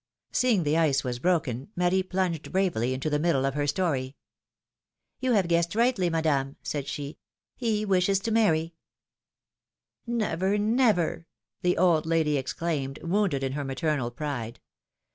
Seeing the ice was broken, Marie plunged bravely into the middle of her story. ^^Yoii have guessed rightly, Madame/^ said she; ^^he wishes to marry Never, never the old lady exclaimed, wounded in her maternal pride.